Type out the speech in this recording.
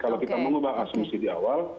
kalau kita mengubah asumsi di awal